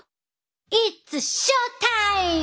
イッツショータイム！